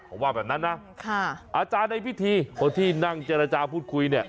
เขาว่าแบบนั้นนะอาจารย์ในพิธีคนที่นั่งเจรจาพูดคุยเนี่ย